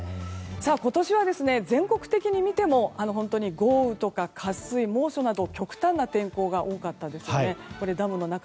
今年は全国的に見ても豪雨とか渇水、猛暑など極端な天候が多かったですよね。